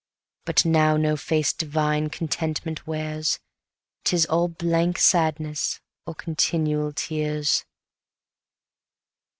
But now no face divine contentment wears, 'Tis all blank sadness, or continual tears.